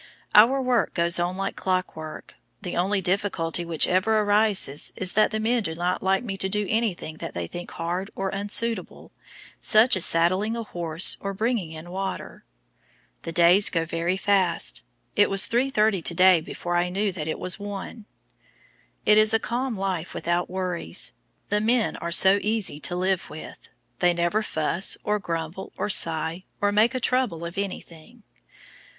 Our work goes on like clockwork; the only difficulty which ever arises is that the men do not like me to do anything that they think hard or unsuitable, such as saddling a horse or bringing in water. The days go very fast; it was 3:30 today before I knew that it was 1. It is a calm life without worries. The men are so easy to live with; they never fuss, or grumble, or sigh, or make a trouble of anything.